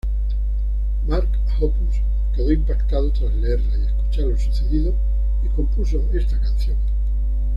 Mark Hoppus quedó impactado tras leerla y escuchar lo sucedido y compuso esta canción.